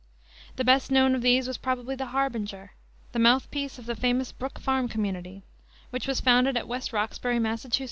The best known of these was probably the Harbinger, the mouth piece of the famous Brook Farm Community, which was founded at West Roxbury, Mass.